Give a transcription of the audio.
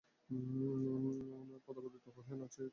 প্রতাপাদিত্য কহিলেন, আচ্ছা, তাহাই স্বীকার করিতেছি।